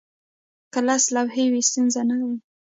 که لس لوحې وي، ستونزه نه وي.